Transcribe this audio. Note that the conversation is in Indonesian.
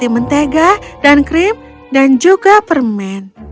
mentega dan krim dan juga permen